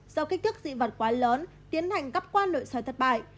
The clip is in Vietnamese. do kích thước dị vật quá lớn tiến hành cấp quan nội soi thất bại